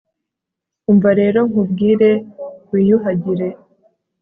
umva rero, nkubwire: wiyuhagire